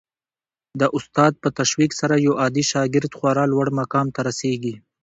د استاد په تشویق سره یو عادي شاګرد خورا لوړ مقام ته رسېږي.